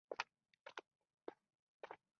د اوبو دا چینلونه په دوه ډوله وو.